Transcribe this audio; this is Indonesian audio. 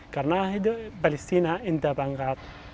karena palestina tidak bangga